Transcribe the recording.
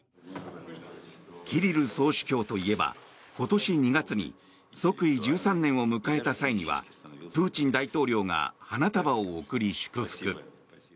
キリル総主教といえば今年２月に即位１３年を迎えた際にはプーチン大統領が花束を贈り、祝福。